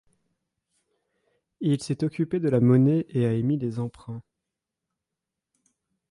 Il s'est occupé de la monnaie et a émis des emprunts.